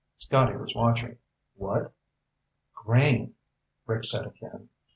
Scotty was watching. "What?" "Grain," Rick said again.